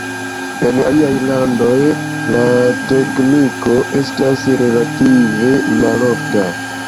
En aliaj landoj, la tekniko estas relative malofta.